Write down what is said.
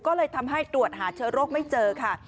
ก็เลยทำให้ตรวจหาเชื้อโรคไม่เจอค่ะ